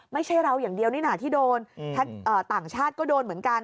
ไม่ใช่เราอย่างเดียวนี่นะที่โดนต่างชาติก็โดนเหมือนกัน